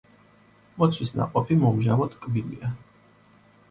მოცვის ნაყოფი მომჟავო ტკბილია.